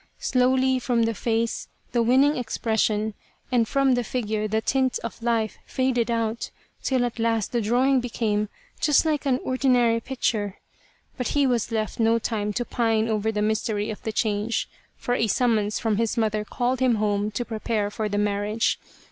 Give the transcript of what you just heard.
Slowly from the face the winning expression and from the figure the tints of life faded out, till at last the drawing became just like an ordinary picture. But he was left no time to pine over the mystery of the change, for a summons from his mother called him home to prepare for the marriage.